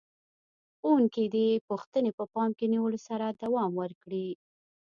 ښوونکي دې پوښتنې په پام کې نیولو سره دوام ورکړي.